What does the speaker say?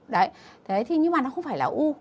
đấy thì nhưng mà nó không phải là u